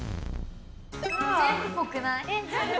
全部ぽくない？